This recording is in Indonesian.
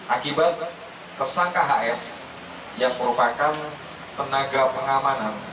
akibat tersangka hs yang merupakan tenaga pengamanan